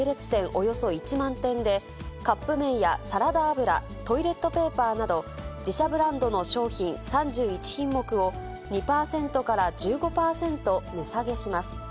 およそ１万店で、カップ麺やサラダ油、トイレットペーパーなど、自社ブランドの商品３１品目を、２％から１５％値下げします。